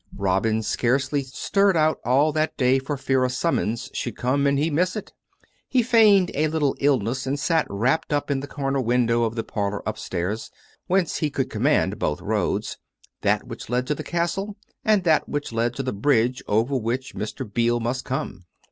Robin scarcely stirred out all that day for fear a summons should come and he miss it. He feigned a little illness and sat wrapped up in the corner window of the parlour upstairs, whence he could command both roads — that which led to the Castle, and that which led to the bridge over whicb Mr. Beale COME RACK! COME ROPE! 847 must come.